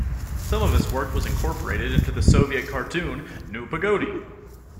Some of his work was incorporated into the Soviet cartoon, Nu Pogodi!